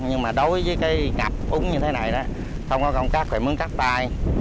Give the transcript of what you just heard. nhưng mà đối với cái ngập úng như thế này đó không có cong cắt phải mướn cắt tay